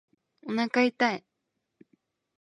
おなか痛い